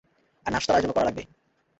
আর নাশতার আয়োজনও করা লাগবে।